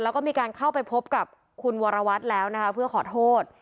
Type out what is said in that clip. แล้วก็มีการเข้าไปพบกับคุณวรวัตรแล้วนะคะเพื่อขอโทษ